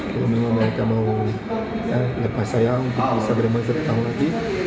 kalau memang mereka mau lepas sayang kita bisa bermain satu tahun lagi